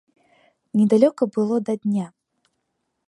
Недалёка было да дня.